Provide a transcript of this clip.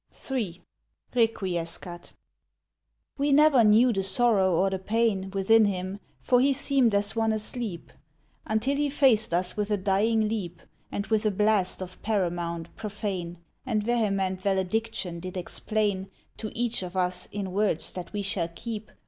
1471 LEFFINGWELL III— REQUIESCAT We never knew the sorrow or the pain Within him, for he seemed as one asleep— Until he faced us with a dying leap, And with a blast of paramount, profane, And vehement valediction did explain To each of us, in words that we shall keep.